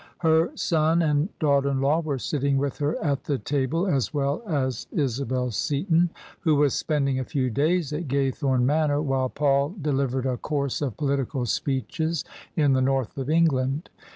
Her son and daughter in law were sitting with her at the table, as well as Isabel Seaton, who was spending a few days at Gaythornc Manor while Paul delivered a course of political speeches in the north of England.